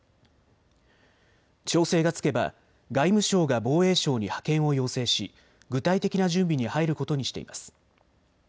調整がつけば外務省が防衛省に派遣を要請し具体的な準備に入ることにしています。